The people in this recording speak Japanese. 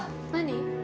何？